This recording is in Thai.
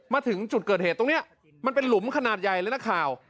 มาถึงจุดเกิดเหตุตรงนี้มันเป็นหลุมขนาดใหญ่เลยนะข่าว